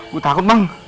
gue takut bang